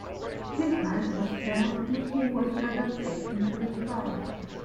His life was spared and he was adopted into the tribe.